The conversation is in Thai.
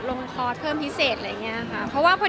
พี่แดมบอกจะชิงสาวกันค่ะ